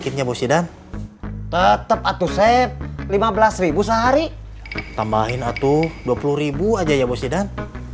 tambahin atuh dua puluh ribu aja ya bos jidan